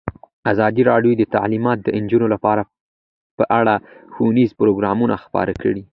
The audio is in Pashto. ازادي راډیو د تعلیمات د نجونو لپاره په اړه ښوونیز پروګرامونه خپاره کړي.